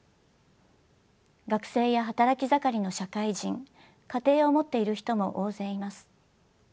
学生や働き盛りの社会人家庭を持っている人も大勢います。